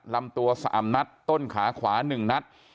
ลำตัว๓นัดต้นขาขวา๑นัด